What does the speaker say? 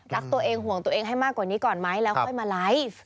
รักตัวเองห่วงตัวเองให้มากกว่านี้ก่อนไหมแล้วค่อยมาไลฟ์